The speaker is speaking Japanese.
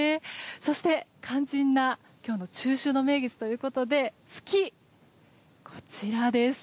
そして、肝心な今日の中秋の名月ということで月、こちらです。